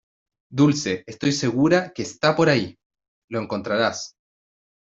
Dulce, estoy segura que está por ahí. Lo encontrarás .